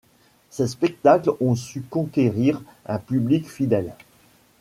Ses spectacles ont su conquérir un public fidèle.